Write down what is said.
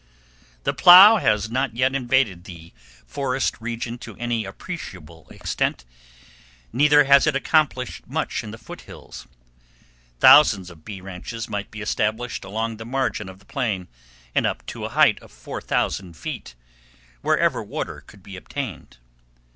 [Illustration: WILD BEE GARDEN.] The plow has not yet invaded the forest region to any appreciable extent, neither has it accomplished much in the foot hills. Thousands of bee ranches might be established along the margin of the plain, and up to a height of 4000 feet, wherever water could be obtained.